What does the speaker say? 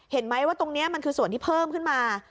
เห็นไหมว่าตรงนี้มันคือส่วนที่เพิ่มขึ้นมา